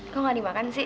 kok nggak dimakan sih